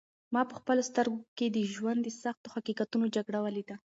ما په خپلو سترګو کې د ژوند د سختو حقیقتونو جګړه ولیده.